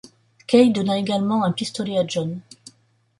Keyes donna également un pistolet à John.